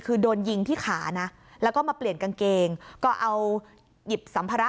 คือโดนยิงที่ขานะแล้วก็มาเปลี่ยนกางเกงก็เอาหยิบสัมภาระ